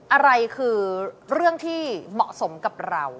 อะไรคือเรื่องที่เหมาะสมกับเรา